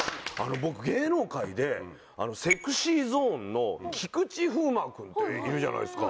僕芸能界でＳｅｘｙＺｏｎｅの菊池風磨君っているじゃないですか。